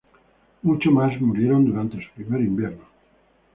Muchos más murieron durante su primer invierno.